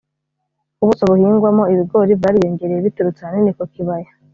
ubuso buhingwaho ibigori bwariyongereye biturutse ahanini ku kibaya